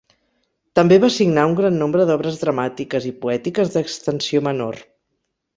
També va signar un gran nombre d'obres dramàtiques i poètiques d'extensió menor.